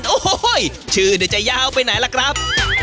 โอ้โหชื่อจะยาวไปไหนล่ะครับ